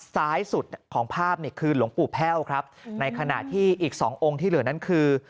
ซ้ายสุดของภาพนี่คือหลวงปู่แพ่วครับในขณะที่อีกสององค์ที่เหลือนั้นคือ